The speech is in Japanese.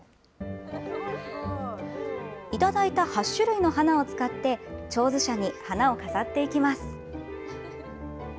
頂いた８種類の花を使って、ちょうず舎に花を飾っていきます。